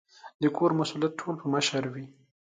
د کور مسؤلیت ټول په مشر وي